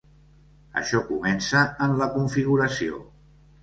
Això comença en la configuració.